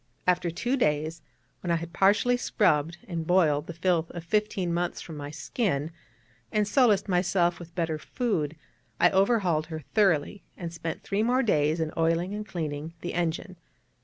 After two days, when I had partially scrubbed and boiled the filth of fifteen months from my skin, and solaced myself with better food, I overhauled her thoroughly, and spent three more days in oiling and cleaning the engine.